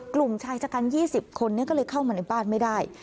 กลุ่มชายชะกัน๒๐คนก็เลยเข้ามาในบ้านไม่ได้